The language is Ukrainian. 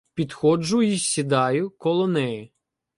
Підходжу й сідаю коло неї.